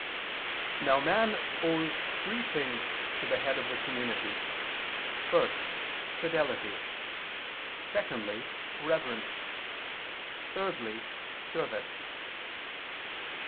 Now man owes three things to the head of the community: first, fidelity; secondly, reverence; thirdly, service.